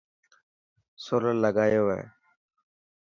سولر لگايو هي.